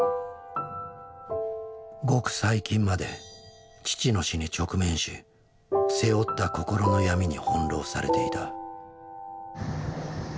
ごく最近まで父の死に直面し背負った心の闇に翻弄されていた。